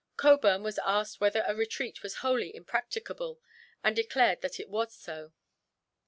Cockburn was asked whether a retreat was wholly impracticable, and he declared that it was so.